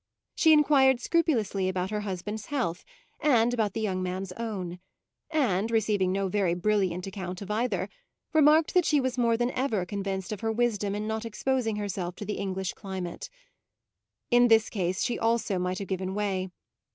She enquired scrupulously about her husband's health and about the young man's own, and, receiving no very brilliant account of either, remarked that she was more than ever convinced of her wisdom in not exposing herself to the English climate. In this case she also might have given way.